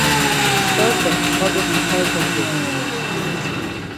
Oxorepe kva do pitsariten gedgip̆t̆es.